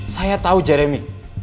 saya tahu jeremy